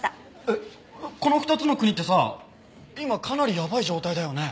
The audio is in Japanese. えっこの２つの国ってさ今かなりやばい状態だよね？